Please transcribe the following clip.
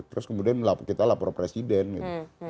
terus kemudian kita lapor presiden gitu